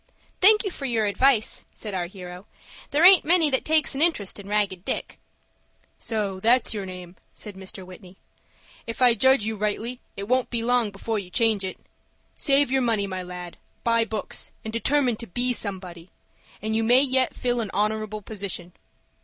"Thank you for your advice," said our hero. "There aint many that takes an interest in Ragged Dick." "So that's your name," said Mr. Whitney. "If I judge you rightly, it won't be long before you change it. Save your money, my lad, buy books, and determine to be somebody, and you may yet fill an honorable position."